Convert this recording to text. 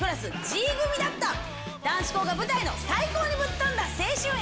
男子校が舞台の最高にぶっ飛んだ。